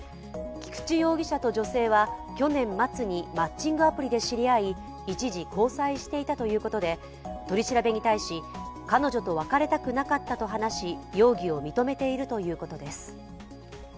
菊地容疑者と女性は去年末にマッチングアプリで知り合い一時、交際していたということで取り調べに対し彼女と別れたくなかったと話し容疑を認めているということです。